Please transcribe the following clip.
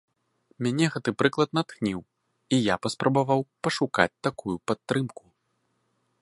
Мяне гэты прыклад натхніў, і я паспрабаваў пашукаць такую падтрымку.